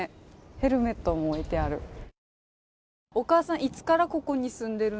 ヘルメットも置いてある。